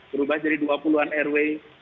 berubah jadi dua puluh an rw